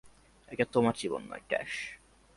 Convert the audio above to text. এটা তোমার জীবন নয়, টেস।